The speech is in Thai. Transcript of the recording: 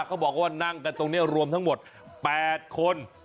เขาบอกว่านั่งกันตรงนี้รวมทั้งหมด๘คน